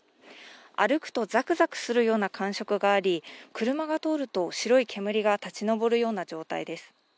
歩くとざくざくするような感触があり車が通ると白い煙が立ち上るような状態です。